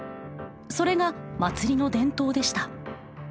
それが祭りの伝統でした。